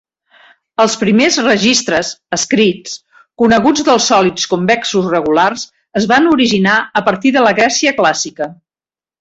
Els primers registres "escrits" coneguts dels sòlids convexos regulars es van originar a partir de la Grècia clàssica.